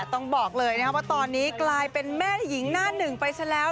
ต้องบอกเลยนะครับว่าตอนนี้กลายเป็นแม่หญิงหน้าหนึ่งไปซะแล้ว